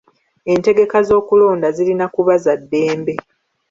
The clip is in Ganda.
Entegeka z'okulonda zirina kuba za ddembe.